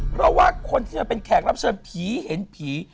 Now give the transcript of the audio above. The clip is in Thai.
เพราะว่าคนที่จะเป็นแขกรับเชิญผีเห็นผี